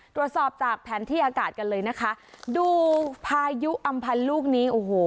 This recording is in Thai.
ตรวจสอบจากแผนที่อากาศกันเลยนะคะดูพายุอำพันธ์ลูกนี้โอ้โห